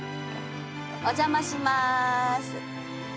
お邪魔します。